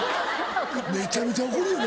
めちゃめちゃ怒るよね